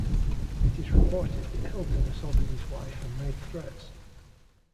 It was reported that Hilton assaulted his wife and made threats.